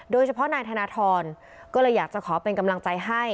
โดยเฉพาะนายธนทรก็เลยอยากจะขอเป็นกำลังใจให้